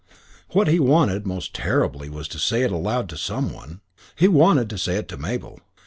What he wanted, most terribly, was to say it aloud to some one. He wanted to say it to Mabel.